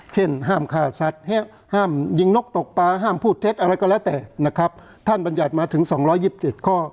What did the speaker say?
เช่นห้ามฆ่าสัตว์ห้ามยิงนกตกปลาห้ามพูดเท็จอะไรก็แล้วแต่นะครับท่านบรรยัติมาถึง๒๒๗ข้อ